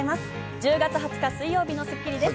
１０月２０日、水曜日の『スッキリ』です。